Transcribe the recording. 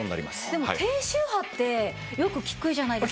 でも低周波ってよく聞くじゃないですか。